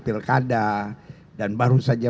pilkada dan baru saja